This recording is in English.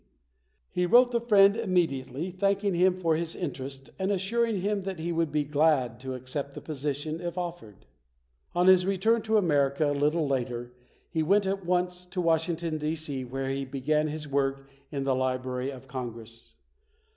He wrote the friend immediately thanking him for his interest and assuring him that he would be glad to accept the position if offered. On his return to America a little later, he went at once to Washington, D. C., where he began his work in the Library of Congress.